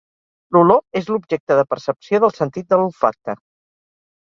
L'olor és l'objecte de percepció del sentit de l'olfacte.